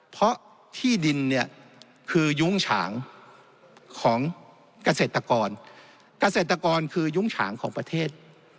เพราะที่ดินเนี่ยคือยุ้งฉางของเกษตรกรเกษตรกรคือยุ้งฉางของประเทศ